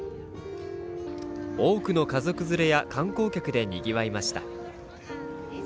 多くの家族連れや観光客でにぎわいました。